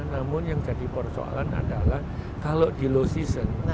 namun yang jadi persoalan adalah kalau di low season